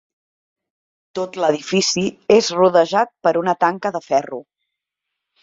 Tot l'edifici és rodejat per una tanca de ferro.